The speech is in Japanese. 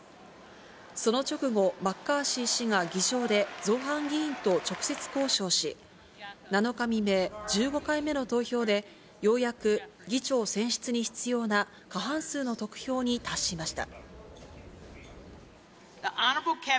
その直後、マッカーシー氏が議場で、造反議員と直接交渉し、７日未明、１５回目の投票で、ようやく議長選出に必要な過半数の得票に達しました。